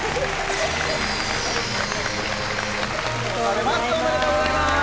おめでとうございます。